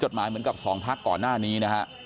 หมายเหมือนกับ๒พักก่อนหน้านี้นะฮะ